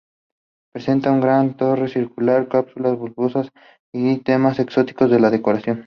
Presenta una gran torre circular, cúpulas bulbosas y temas exóticos en la decoración.